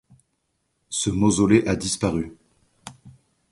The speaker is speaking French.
Ce mausolée a disparu.